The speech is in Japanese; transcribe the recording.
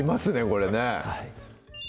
これね